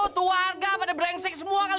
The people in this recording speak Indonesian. terus gue kejar keluarga